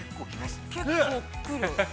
◆結構来る。